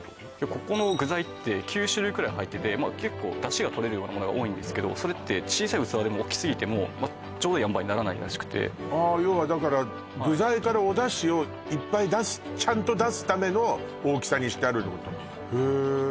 ここの具材って９種類くらい入ってて結構だしがとれるようなものが多いんですけどそれって小さい器でも大きすぎてもちょうどいいあんばいにならないらしくて要はだから具材からおだしをいっぱいちゃんと出すための大きさにしてあるってことへえ